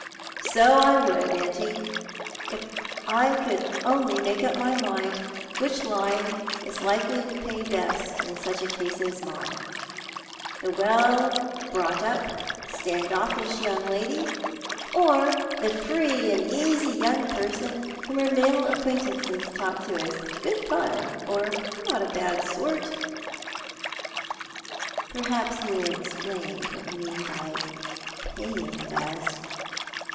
So I would. Auntie, if I could only make up my mind which line is likely to pay best in such a . case as mine— the well brought up, staud offish young lady, or the free and easy youug person whom her male acquaintances talk of as ' good fun/ or ' not a bad sort.' "" Perhaps you will explain what you mean by paying best